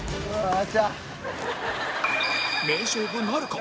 名勝負なるか？